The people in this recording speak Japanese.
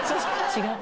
違う？